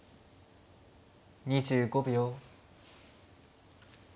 ２５秒。